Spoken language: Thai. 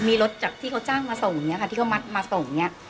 มีรถจากที่เขาจ้างมาส่งอย่างนี้ค่ะที่เขามัดมาส่งเนี่ย